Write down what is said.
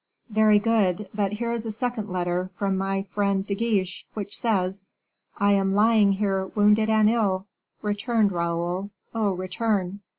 "Very good; but here is a second letter, from my friend De Guiche, which says, 'I am lying here wounded and ill. Return, Raoul, oh, return!